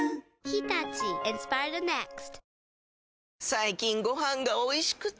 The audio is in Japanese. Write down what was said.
最近ご飯がおいしくて！